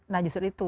nah justru itu